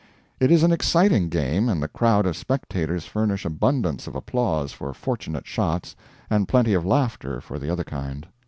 It is an exciting game, and the crowd of spectators furnish abundance of applause for fortunate shots and plenty of laughter for the other kind.